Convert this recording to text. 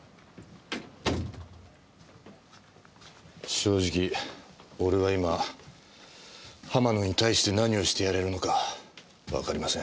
正直俺は今浜野に対して何をしてやれるのかわかりません。